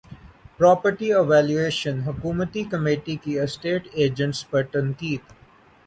property valuation حکومتی کمیٹی کی اسٹیٹ ایجنٹس پر تنقید